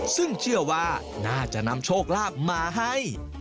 ซึ่งเชื่อว่าน่าจะนำโชคลาภมาให้